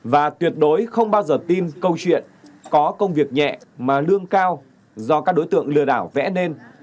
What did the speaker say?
và tuyệt đối không bao giờ tin câu chuyện có công việc nhẹ mà lương cao do các đối tượng lừa đảo vẽ nên